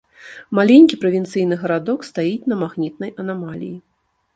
Маленькі правінцыйны гарадок стаіць на магнітнай анамаліі.